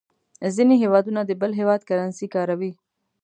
ځینې هېوادونه د بل هېواد کرنسي کاروي.